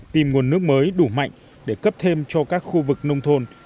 tìm nguồn nước mới đủ mạnh để cấp thêm cho các khu vực nông thôn